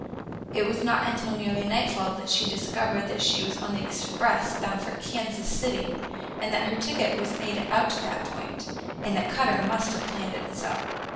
It was not until nearly nightfall that she discovered she was on the express bound for Kansas City, that her ticket was made out to that point, and that Cutter must have planned it so.